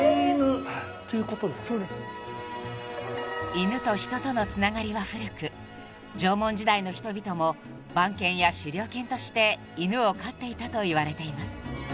［犬と人とのつながりは古く縄文時代の人々も番犬や狩猟犬として犬を飼っていたといわれています］